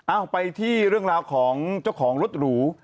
เอาไปที่เรื่องราวของเจ้าของรถหรู